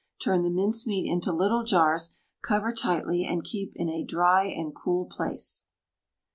Turn the mincemeat into little jars, cover tightly, and keep in a dry and cool place.